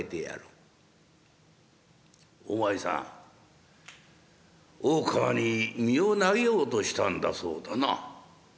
「お前さん大川に身を投げようとしたんだそうだな。